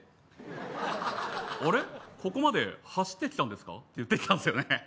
ここまで走ってきたんですかって言ってきたんですよね。